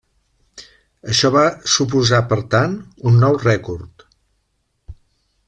Això va suposar per tant un nou rècord.